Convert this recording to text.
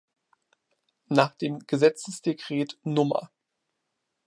Nach dem Gesetzesdekret Nr.